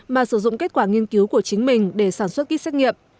mà sử dụng kết quả nghiên cứu của chính mình để sản xuất kýt xét nghiệm